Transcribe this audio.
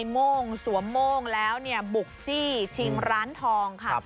มงสวมงแล้วเนี่ยบุ๊คจี้ชิงร้านทองค่ะ